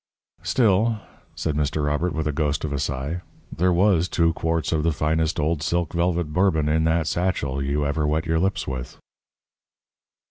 "Still," said Mr. Robert, with a ghost of a sigh, "there was two quarts of the finest old silk velvet Bourbon in that satchel you ever wet your lips with."